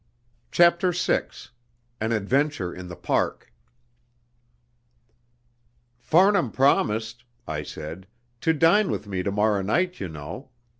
CHAPTER VI An Adventure in the Park "Farnham promised," I said, "to dine with me to morrow night, you know.